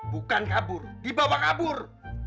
bukan kabur dibawa kabur